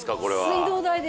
水道代で。